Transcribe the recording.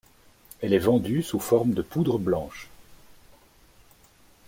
Elle est vendue sous forme de poudre blanche.